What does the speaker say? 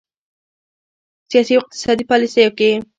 سیاسي او اقتصادي پالیسیو کې